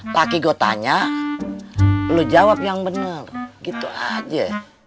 laki gue tanya lu jawab yang benar gitu aja